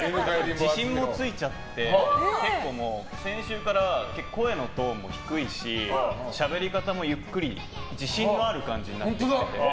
自信もついちゃって先週から声のトーンも低いししゃべり方もゆっくり自信のある感じになってきてて。